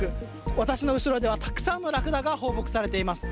私の後ろではたくさんのラクダが放牧されています。